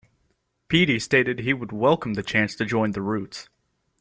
Peedi stated he would welcome the chance to join The Roots.